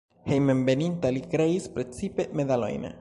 Hejmenveninta li kreis precipe medalojn.